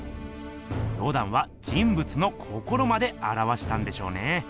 ロダンは人ぶつの心まであらわしたんでしょうね。